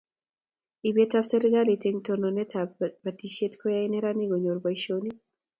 Ibet ab serikalit eng tononet ab batishet koyae neranik konyor boishonik